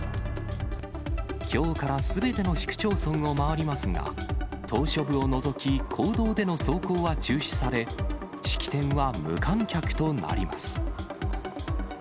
きょうからすべての市区町村を回りますが、島しょ部を除き、公道での走行は中止され、式典は無観客となります。